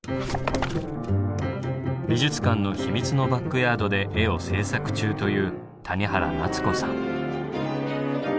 美術館の秘密のバックヤードで絵を制作中という谷原菜摘子さん。